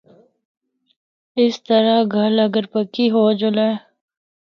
اس طرح گل اگر پکی ہو جُلے۔